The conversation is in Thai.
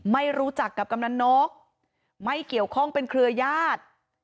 ไม่รู้จักกับกำนันนกไม่เกี่ยวข้องเป็นเครือญาติ